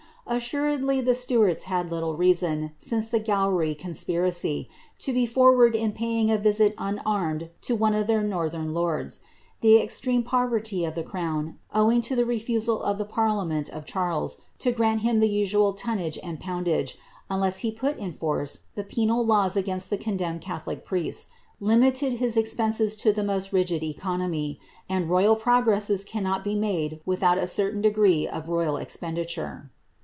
Assuredly the Stuarts had little reason, lince the Gowry conspiracy, to be forward in paying a visit unarmed to one of tlieir northern lords. The extreme poverty of the crown, owing to the refusal of the parliament of Charles to grant him the usual ton nage and poundage, unless he put in force the penal laws against the rondemned catholic priests, limited his expenses to the most rigid eco oomy ; and royal progresses cannot be made without a certain degree of royal expenditure.